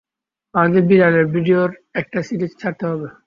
আমাদের বিড়ালের ভিডিয়োর একটা সিরিজ ছাড়তে হবে!